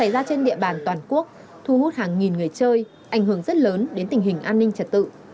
ra trên địa bàn toàn quốc thu hút hàng nghìn người chơi ảnh hưởng rất lớn đến tình hình an ninh trật tự